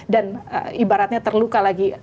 dan ibaratnya terluka lagi